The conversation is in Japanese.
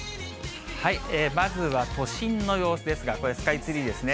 まずは都心の様子ですが、これ、スカイツリーですね。